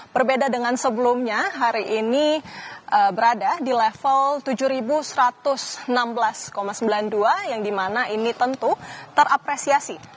berbeda dengan sebelumnya hari ini berada di level tujuh satu ratus enam belas sembilan puluh dua yang dimana ini tentu terapresiasi